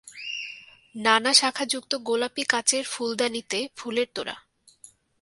নানাশাখাযুক্ত গোলাপি কাঁচের ফুলদানিতে ফুলের তোড়া।